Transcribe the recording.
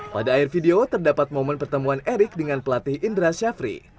pada air video terdapat momen pertemuan erick dengan pelatih indra syafri